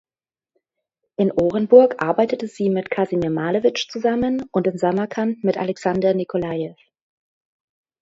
In Orenburg arbeitete sie mit Kasimir Malewitsch zusammen und in Samarkand mit Alexander Nikolajew.